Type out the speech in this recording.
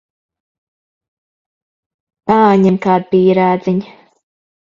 Paņem kādu pīrādziņu.